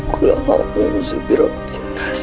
kulahamu zubirob innas